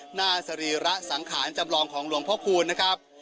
สรีระสังขารจำลองของหลวงพ่อคูณนะครับ